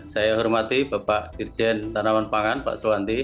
saya hormati bapak dirjen tanaman pangan pak suwanti